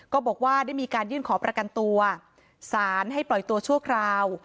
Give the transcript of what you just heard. ก็บอกว่าได้มีการยื่นขอประกันตัวสารให้ปล่อยตัวชั่วคราว